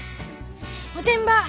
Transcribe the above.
おてんば！